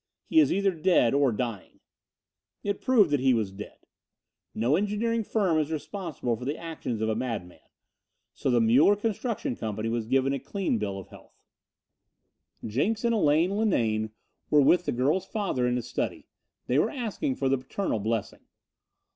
He is either dead or dying." It proved that he was dead. No engineering firm is responsible for the actions of a madman. So the Muller Construction Company was given a clean bill of health. Jenks and Elaine Linane were with the girl's father in his study. They were asking for the paternal blessing.